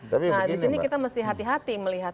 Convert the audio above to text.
nah disini kita harus hati hati melihat